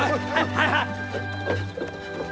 はいはい！